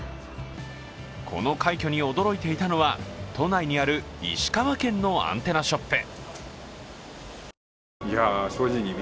この快挙に驚いてたのは、都内にある石川県のアンテナショップ。